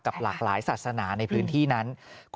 หลากหลายศาสนาในพื้นที่นั้น